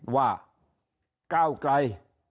ว่าเก้ากาย